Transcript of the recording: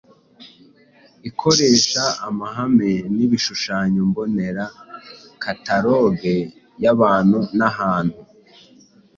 ikoresha amahame nkibishushanyo mbonera, kataloge yabantu n’ahantu